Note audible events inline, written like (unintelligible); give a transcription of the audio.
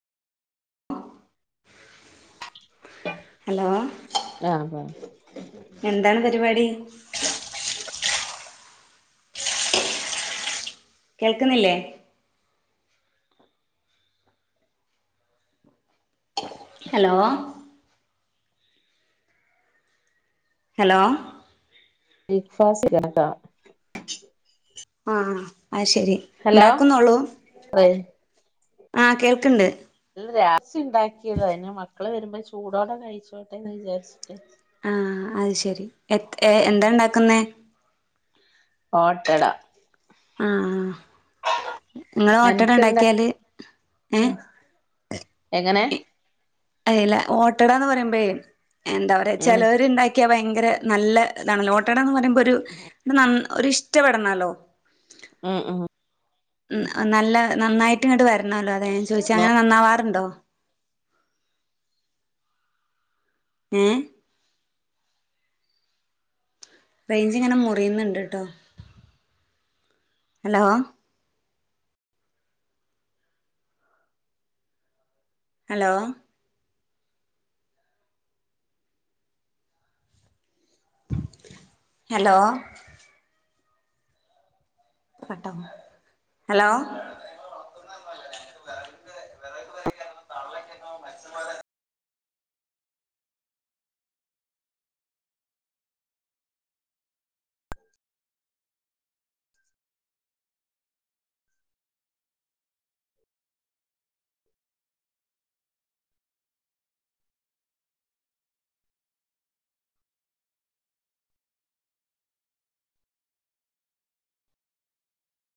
hello ആ പറ എന്താണ് പരിപാടി കേൾക്കുന്നില്ലേ ഹലോ ഹലോ ലക്ഫാസികനത ആഹ ആ ശരി ഉണ്ടാക്കുന്നുള്ളൂ ആഹ കേൾക്കിണ്ട് രാസിഉണ്ടാക്കിയത് അതിന് മക്കള് വരുമ്പോ ചൂടോടെ കഴിച്ചോട്ടെന്ന് വിചാരിച്ചിട്ട് ആഹ അത് ശരി എ ഏ എന്താ ഉണ്ടാക്കുന്നേ ഓട്ടട ആഹ ആ നിങ്ങള് ഓട്ടട എനക്കെന്താ ഉണ്ടാക്കിയാല് ഏ എങ്ങനെ അതല്ലേ ഓട്ടട എന്ന് പറയുമ്പേ എന്താ പറയാ ഉം ചിലവരുണ്ടാക്കി ക്ക ഭയങ്കര നല്ല ഇതാണ് ലോട്ടഡ എന്ന് പറയുമ്പോ ഒരു ന്ന ന്ന ഒ ഇഷ്ടപ്പെടണാലോ ഉം ഉം ഉ നല്ല നന്നായിട്ട ഇങ്ങട്ട് വര ണല്ലോ അത ഞ ചദിച്ചാ അങ്ങനെന്നാവാറുണ്ടോ ഉം റേഞ്ച് ഇങ്ങനെ മുറിയുന്നുണ്ട് ട്ടോ ഹലോ ഹലോ ഹലോ കേട്ടോ ഹലോ (unintelligible)